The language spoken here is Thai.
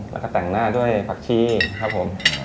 แล้วก็แต่งหน้าด้วยผักชีครับผม